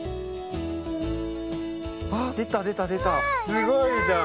すごいじゃん。